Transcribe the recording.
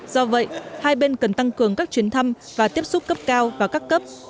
do vậy hai bên cần tăng cường các chuyến thăm và tiếp xúc cấp cao và các cấp